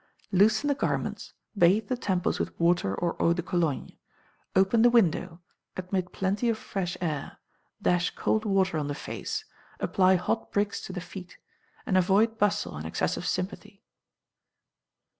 Loosen the garments, bathe the temples with water or eau de Cologne; open the window, admit plenty of fresh air, dash cold water on the face, apply hot bricks to the feet, and avoid bustle and excessive sympathy.